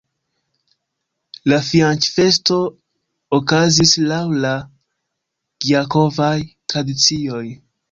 La fianĉfesto okazis laŭ la gjakovaj tradicioj.